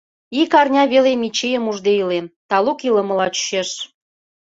Ик арня веле Мичийым ужде илем, талук илымыла чучеш...